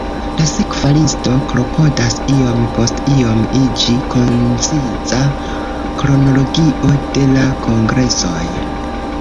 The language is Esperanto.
La sekva listo klopodas iom post iom iĝi konciza kronologio de la kongresoj.